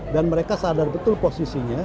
dan mereka sadar betul posisinya